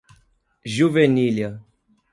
Juvenília